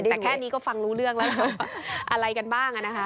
แต่แค่นี้ก็ฟังรู้เรื่องแล้วอะไรกันบ้างนะคะ